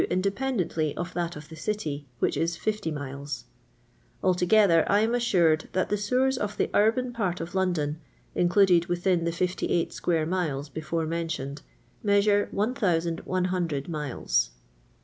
independently of thai of the City, wbicli is 50 miles. Altogether I am assured that the severs of the urban part of London, included within the 6S square miles befbro mentioned, measure 11 UO miles.